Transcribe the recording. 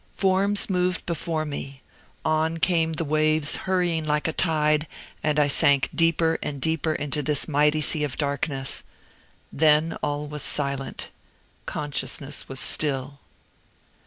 Forms moved before me. On came the waves hurrying like a tide, and I sank deeper and deeper into this mighty sea of darkness. Then all was silent. Consciousness was still.